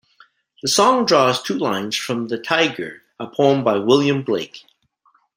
The song draws two lines from The Tyger, a poem by William Blake.